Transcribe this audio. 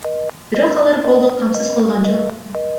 Бирок алар голду камсыз кылган жок.